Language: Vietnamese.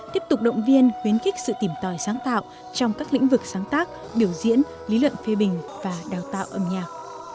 tiếp tục động viên khuyến khích sự tìm tòi sáng tạo trong các lĩnh vực sáng tác biểu diễn lý luận phê bình và đào tạo âm nhạc